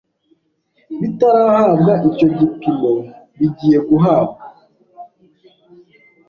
bitarahabwa icyo gipimo bigiye guhabwa